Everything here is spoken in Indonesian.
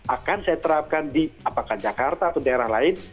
akan saya terapkan di apakah jakarta atau daerah lain